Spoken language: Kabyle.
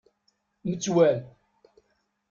Metwal.